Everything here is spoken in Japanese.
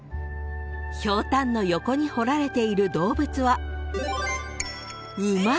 ［ひょうたんの横に彫られている動物は］